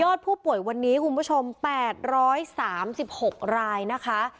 ยอดผู้ป่วยวันนี้คุณผู้ชมแปดร้อยสามสิบหกรายนะคะ